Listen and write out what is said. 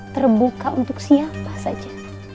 terbuka untuk siapa saja